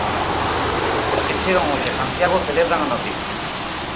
Os que chegan hoxe a Santiago celebran a noticia.